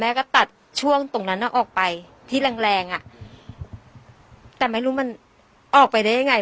ก็ตัดช่วงตรงนั้นออกไปที่แรงแรงอ่ะแต่ไม่รู้มันออกไปได้ยังไง